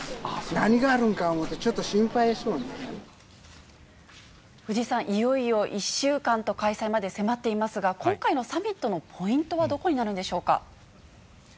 何があるんかと思って、藤井さん、いよいよ１週間と、開催まで迫っていますが、今回のサミットのポイントはどこになるんでしょうか。